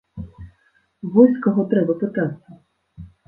Вось з каго трэба пытацца.